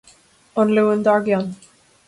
An Luan dár gcionn.